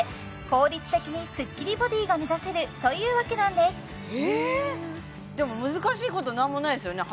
効率的にスッキリボディーが目指せるというわけなんですえでも難しいこと何もないですよね